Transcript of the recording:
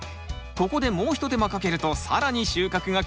ここでもう一手間かけると更に収穫が期待できます！